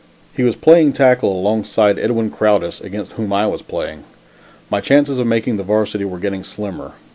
He was playing tackle alongside of Edwin Crowdis, against whom I was playing. My chances of making the Varsity were getting slimmer.